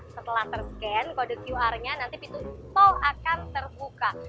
setelah ter scan kode qr nya nanti pintu tol akan terbuka